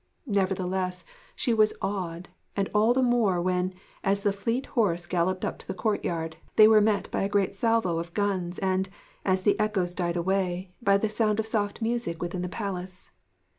Nevertheless, she was awed, and all the more when, as the fleet horse galloped up to the courtyard, they were met by a great salvo of guns and, as the echoes died away, by the sound of soft music within the palace.